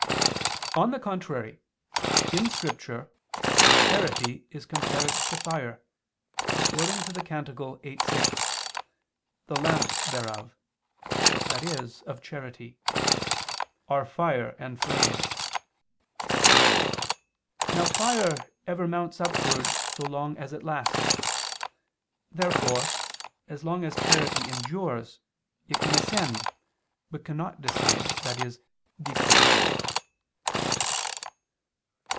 On the contrary, In Scripture, charity is compared to fire, according to Cant 8:6: "The lamps thereof," i.e. of charity, "are fire and flames." Now fire ever mounts upward so long as it lasts. Therefore as long as charity endures, it can ascend, but cannot descend, i.e. decrease.